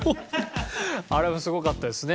あれもすごかったですね。